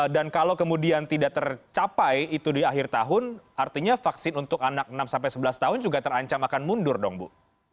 dan kalau kemudian tidak tercapai itu di akhir tahun artinya vaksin untuk anak enam sampai sebelas tahun juga terancam akan mundur dong bu